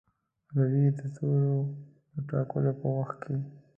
روي د توري د ټاکلو په وخت کې.